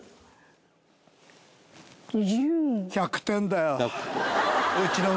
１００点だよ。